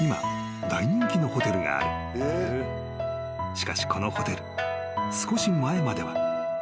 ［しかしこのホテル少し前までは］